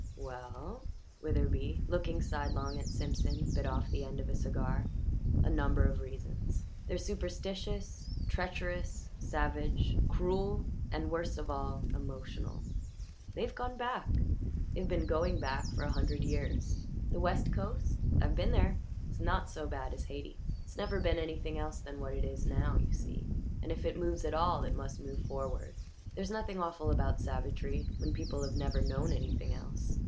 "We ell" Witherbee, looking sidelong at Simpson, bit off the end of a cigar "a number of reasons. They're superstitious, treacherous, savage, cruel, and worst of all emotional. They've gone back. They've been going back for a hundred years. The West Coast I've been there is not so bad as Hayti. It's never been anything else than what it is now, you see, and if it moves at all it must move forward. There's nothing awful about savagery when people have never known anything else.